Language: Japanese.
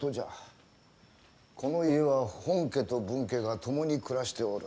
この家は本家と分家が共に暮らしておる。